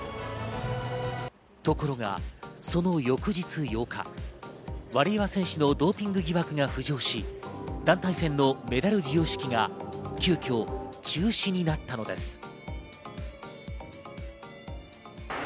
ところがその翌日８日、ワリエワ選手のドーピング疑惑が浮上し、団体戦のメダル授与式が急きょ、中止になったのです。